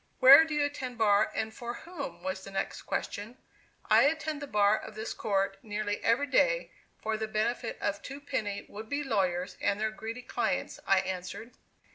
"Where do you attend bar, and for whom?" was the next question. "I attend the bar of this court, nearly every day, for the benefit of two penny, would be lawyers and their greedy clients," I answered.